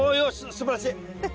すばらしい。